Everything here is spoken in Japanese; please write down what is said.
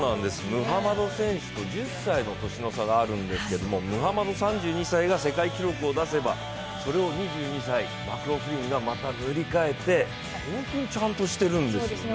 ムハマド選手と１０歳の年の差があるんですがムハマド３２歳が世界記録を出せばそれを２２歳、マクローフリンがまた塗り替えて本当にちゃんとしているんですよね。